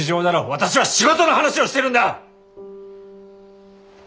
私は仕事の話をしているんだ！